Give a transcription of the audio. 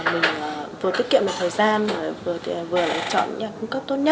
mình vừa tiết kiệm được thời gian vừa lựa chọn cung cấp tốt nhất